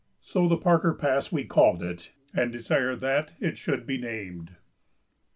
So the Parker Pass we call it and desire that it should be named.